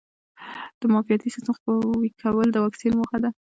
د معافیتي سیسټم قوي کول د واکسین موخه ده.